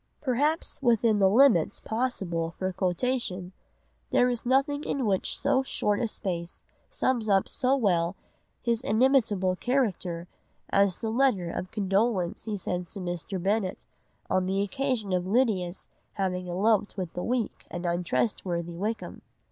Perhaps within the limits possible for quotation there is nothing which in so short a space sums up so well his inimitable character as the letter of condolence he sends to Mr. Bennet on the occasion of Lydia's having eloped with the weak and untrustworthy Wickham.